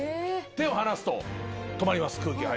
手を離すと止まります。